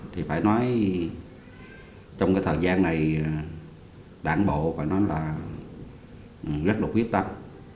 thì phải nói trong cái thời gian này đảng bộ phải nói là rất là quyết tâm